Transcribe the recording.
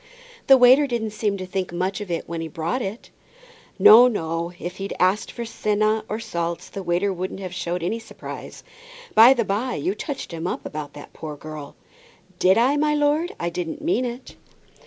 "The waiter didn't seem to think much of it when he brought it." "No, no. If he'd asked for senna and salts, the waiter wouldn't have showed any surprise. By the by, you touched him up about that poor girl." "Did I, my lord? I didn't mean it."